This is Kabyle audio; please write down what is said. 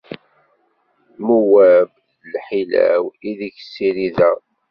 Muwab d lḥila-w ideg ssirideɣ.